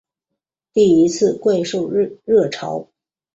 第一次怪兽热潮